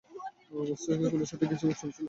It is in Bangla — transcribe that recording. মস্তকের খুলির সাথেও কিছু চুল ছিল।